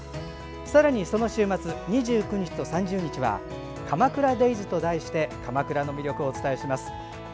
さらに、その週末２９日と３０日は「鎌倉ＤＡＹＳ」と題して鎌倉の魅力をお伝えします。